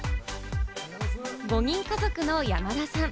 ５人家族の山田さん。